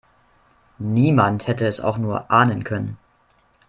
Niemand hätte es auch nur ahnen können.